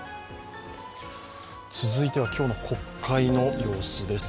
続いては今日の国会の様子です。